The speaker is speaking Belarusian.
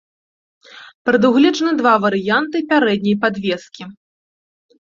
Прадугледжаны два варыянты пярэдняй падвескі.